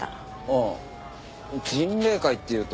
ああ迅嶺会っていうと。